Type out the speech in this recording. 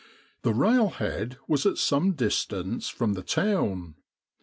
The railhead was at some distance from the town.